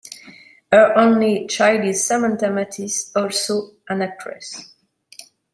Her only child is Samantha Mathis, also an actress.